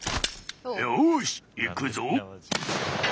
よしいくぞ。